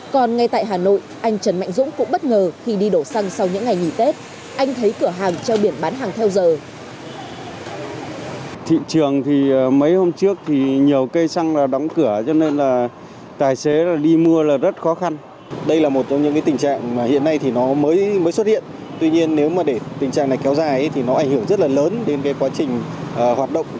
còn ngay tại hà nội anh trần mạnh dũng cũng bất ngờ khi đi đổ xăng sau những ngày nghỉ tết